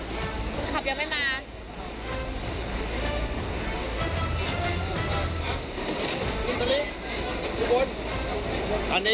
คนขับอยู่ไหน